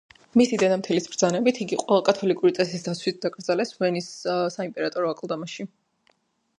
მისი დედამთილის ბრძანებით, იგი ყველა კათოლიკური წესის დაცვით დაკრძალეს ვენის საიმპერატორო აკლდამაში.